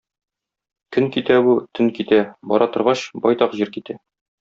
Көн китә бу, төн китә, бара торгач, байтак җир китә.